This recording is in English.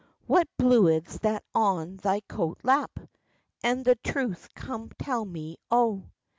What bluid's that on thy coat lap? And the truth come tell to me, O."